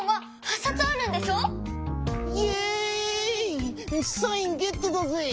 サインゲットだぜ。